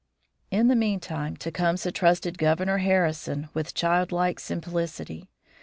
In the meantime Tecumseh trusted Governor Harrison with child like simplicity.